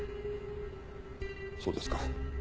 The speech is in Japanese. そうですか。